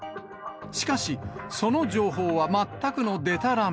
しかし、その情報は全くのでたらめ。